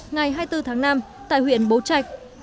ngày hai mươi bốn tháng năm tại huyện bố trạch